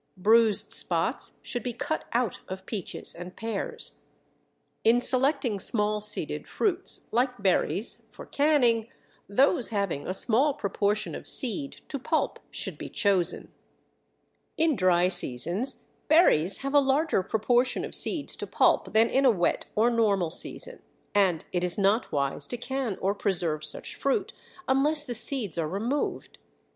Bruised spots should be cut out of peaches and pears. In selecting small seeded fruits, like berries, for canning, those having a small proportion of seed to pulp should be chosen. In dry seasons berries have a larger proportion of seeds to pulp than in a wet or normal season, and it is not wise to can or preserve such fruit unless the seeds are removed.